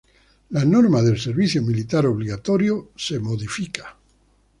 La norma del servicio militar obligatorio se modifica.